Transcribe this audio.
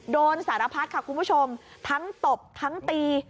โดนสารพัดค่ะคุณผู้ชมทั้งตบทั้งตี